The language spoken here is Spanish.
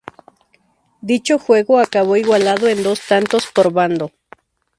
Dicho juego acabó igualado en dos tantos por bando.